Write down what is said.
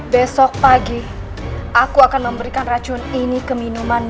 besok pagi aku akan memberikan racun ini ke minuman nimas rara santang